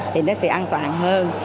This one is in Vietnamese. thì nó sẽ an toàn hơn